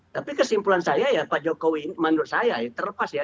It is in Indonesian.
tapi kesimpulan saya ya pak jokowi menurut saya terlepas ya